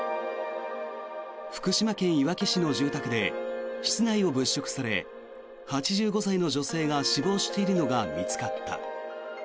福島県いわき市の住宅で室内を物色され８５歳の女性が死亡しているのが見つかった。